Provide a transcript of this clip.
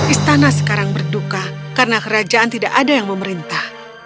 istana sekarang berduka karena kerajaan tidak ada yang memerintah